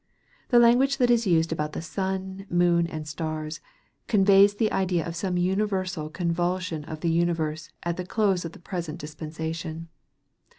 The language that is used about the sun, moon, and stars, conveys the idea of some universal convulsion of the universe at the close of the present dispensation.